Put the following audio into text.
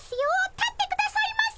立ってくださいませ！